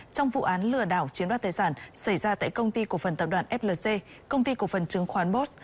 trong vụ án lừa đảo chiếm đoạt tài sản xảy ra tại công ty cổ phần tập đoàn flc công ty cổ phần chứng khoán bos